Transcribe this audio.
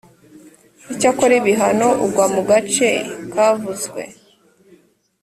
icyakora ibihano ugwa mu gace kavuzwe